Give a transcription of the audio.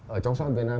ở trong xã hội việt nam